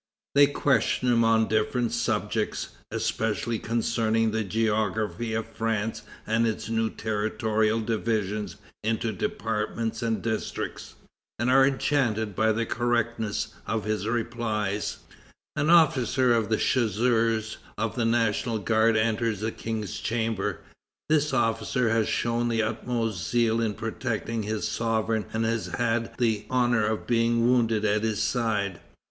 They question him on different subjects, especially concerning the geography of France and its new territorial division into departments and districts, and are enchanted by the correctness of his replies. An officer of Chasseurs of the National Guard enters the King's chamber. This officer had shown the utmost zeal in protecting his sovereign and had had the honor of being wounded at his side.